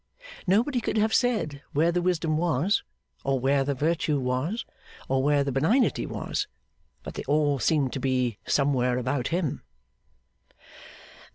Nobody could have said where the wisdom was, or where the virtue was, or where the benignity was; but they all seemed to be somewhere about him.